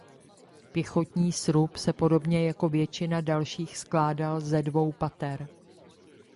Pěchotní srub se podobně jako většina dalších skládal ze dvou pater.